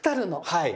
はい。